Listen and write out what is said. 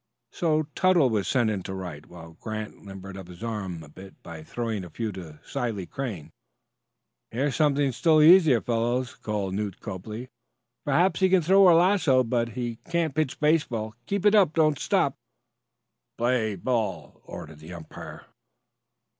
So Tuttle was sent into right, while Grant limbered up his arm a bit by throwing a few to Sile Crane. "Here's something still easier, fellows," called Newt Copley. "Perhaps he can throw a lasso, but he can't pitch baseball. Keep it up. Don't stop." "Play!" ordered the umpire.